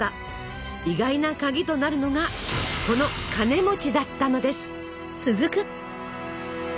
意外な鍵となるのがこのカネだったのです。